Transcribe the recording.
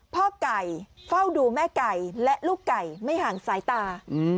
พ่อไก่เฝ้าดูแม่ไก่และลูกไก่ไม่ห่างสายตา